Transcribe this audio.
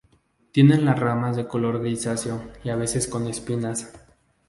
Tiene las ramas de color grisáceo y, a veces con espinas.